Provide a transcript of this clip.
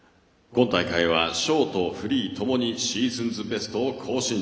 今大会はショート、フリーともにシーズンベストを更新。